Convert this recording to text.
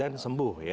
dan sembuh ya